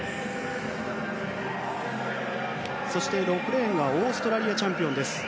６レーンはオーストラリアチャンピオンです